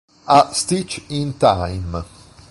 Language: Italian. A Stitch in Time